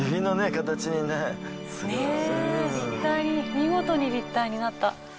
見事に立体になった。